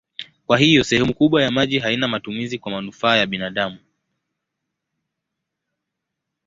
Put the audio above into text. Kwa hiyo sehemu kubwa ya maji haina matumizi kwa manufaa ya binadamu.